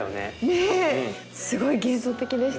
ねえすごい幻想的でしたよね。